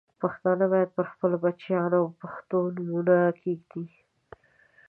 پښتانه باید پر خپلو بچیانو پښتو نومونه کښېږدي.